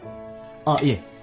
あっいえ。